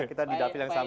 kita di dapil yang sama